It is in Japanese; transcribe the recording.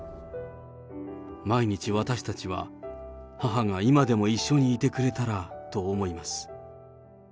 毎日私たちは、母が今でも一緒にいてくれたらと思います。